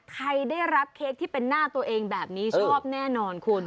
ใครได้รับเค้กที่เป็นหน้าตัวเองแบบนี้ชอบแน่นอนคุณ